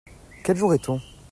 Quel jour est-on ?